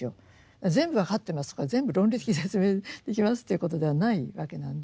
全部分かってますとか全部論理的に説明できますということではないわけなんで。